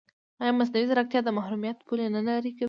ایا مصنوعي ځیرکتیا د محرمیت پولې نه نری کوي؟